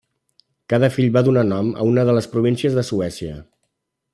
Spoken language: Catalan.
Cada fill va donar nom a una de les províncies de Suècia.